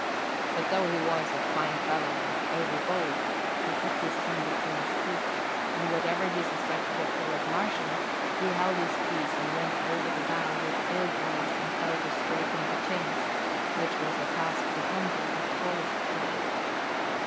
But though he was "a fine fellow" and "overbold," he kept his tongue between his teeth; and whatever he suspected of Philip Marsham, he held his peace and went over the bow with ill grace and fell to scraping the chains, which was a task to humble the tallest pride.